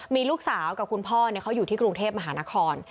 มีลูกสาวกับคุณพ่อเขาอยู่ที่กรุงเทพมหานคร